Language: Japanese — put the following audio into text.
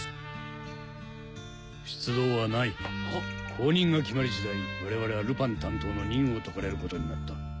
後任が決まり次第我々はルパン担当の任を解かれることになった。